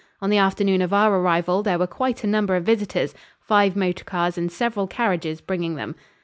On the afternoon of our arrival there were quite a number of visitors, five motor cars and several carriages bringing them.